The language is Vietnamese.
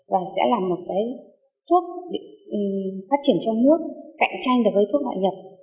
và sẽ làm một cái thuốc phát triển trong nước cạnh tranh được với thuốc ngoại nhập